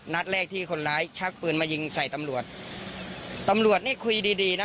นัดแรกที่คนร้ายชักปืนมายิงใส่ตำรวจตำรวจนี่คุยดีดีนะ